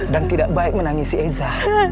dan tidak baik menangis si esa